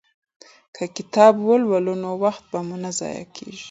که کتاب ولولو نو وخت مو نه ضایع کیږي.